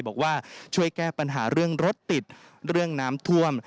บอกว่าช่วยแก้ปัญหาเรื่องรถติดเรื่องน้ำท่วม